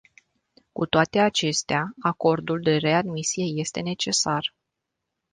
Cu toate acestea, acordul de readmisie este necesar.